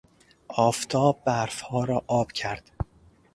آفتاب برف ها را آب کرد.